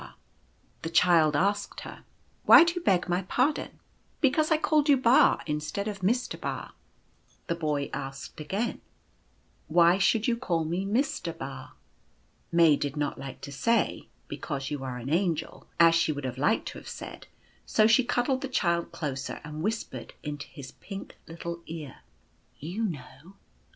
The Child asked her : cc Why do you beg my pardon ?"" Because I called you Ba, instead of Mister Ba." Loving kindness . 187 The Boy asked again: " Why should you call me Mister Ba?" May did not like to say, " Because you are an Angel," as she would like to have said, so she cuddled the Child closer and whispered into his little pink ear : "You know."